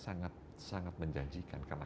sangat sangat menjanjikan karena